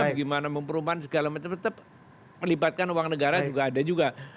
bagaimana memperumahan segala macam tetap melibatkan uang negara juga ada juga